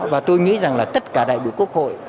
và tôi nghĩ rằng là tất cả đại biểu quốc hội